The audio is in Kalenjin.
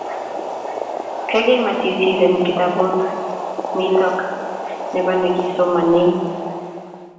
Gaigai, matisir eng kitabut nitokni nebo negisomanee